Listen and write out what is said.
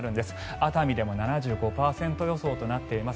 熱海でも７５％予想となっています。